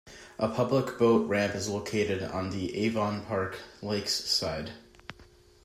A public boat ramp is located on the Avon Park Lakes side.